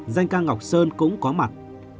danh ca ngọc sơn cũng có mặt